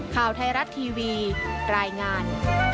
ข่าวไทยรัฐทีวีรายงาน